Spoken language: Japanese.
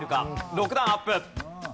６段アップ。